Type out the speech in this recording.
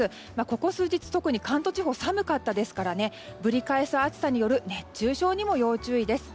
ここ数日、特に関東地方は寒かったですからぶり返す暑さによる熱中症にも要注意です。